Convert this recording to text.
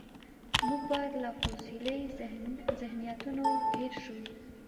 موږ باید له فوسیلي ذهنیتونو تېر شو.